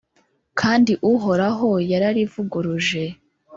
kandi uhoraho yararivuguruje